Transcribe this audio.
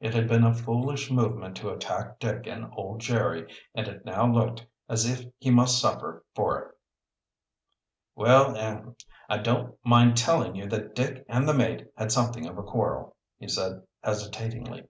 It had been a foolish movement to attack Dick and old Jerry, and it now looked as if he must suffer for it. "Well er I don't mind telling you that Dick and the mate had something of a quarrel," he said hesitatingly.